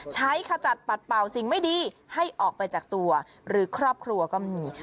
ขจัดปัดเป่าสิ่งไม่ดีให้ออกไปจากตัวหรือครอบครัวก็มี